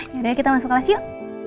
yaudah deh kita masuk kelas yuk